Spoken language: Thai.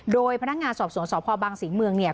โดยพนักงานสอบสวนสพบังศรีเมืองเนี่ย